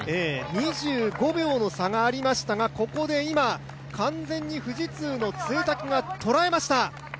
２５秒の差がありましたが、ここで今、完全に今富士通の潰滝がとらえました。